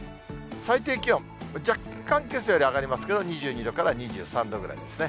最低気温、若干けさより上がりますけど、２２度から２３度ぐらいですね。